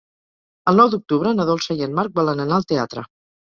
El nou d'octubre na Dolça i en Marc volen anar al teatre.